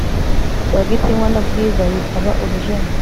rwagitinywa na bwiza yitaba urujeni